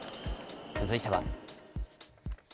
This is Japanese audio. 続いては。